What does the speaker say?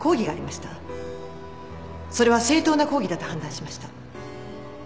それは正当な抗議だと判断しました。